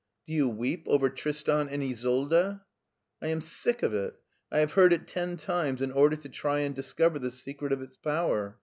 Do you weep over Tristan and Isolde ?" I am sick of it. I have heard it ten times in order to try and discover the secret of its power.